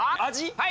はい！